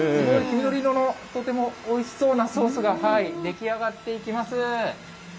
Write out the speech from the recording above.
黄緑色の、とてもおいしそうなソースが出来上がっていきます。